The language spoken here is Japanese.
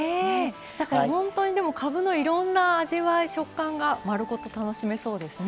だから本当にかぶのいろんな味わい食感が丸ごと楽しめそうですね。